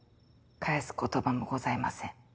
返す言葉もございません。